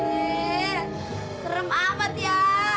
keren amat ya